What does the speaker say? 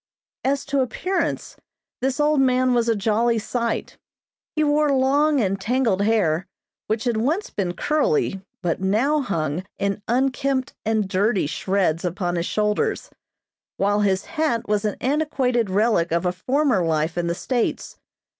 As to appearance this old man was a jolly sight. He wore long and tangled hair which had once been curly, but now hung in unkempt and dirty shreds upon his shoulders, while his hat was an antiquated relic of a former life in the States.